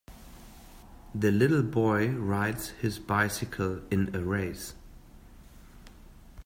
The little boy rides his bicycle in a race.